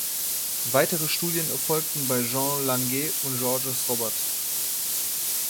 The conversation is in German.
Weitere Studien erfolgten bei Jean Langlais und Georges Robert.